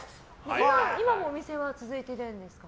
今もお店は続いているんですか？